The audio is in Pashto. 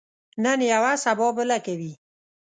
نن یوه، سبا بله کوي.